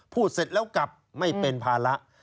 เสร็จแล้วกลับไม่เป็นภาระ